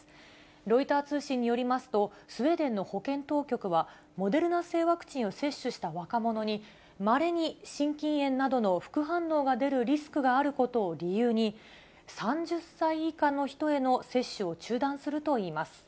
ロイター通信によりますと、スウェーデンの保健当局は、モデルナ製ワクチンを接種した若者に、まれに心筋炎などの副反応が出るリスクがあることを理由に、３０歳以下の人への接種を中断するといいます。